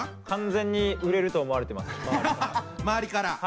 完全に売れると思われてます周りから。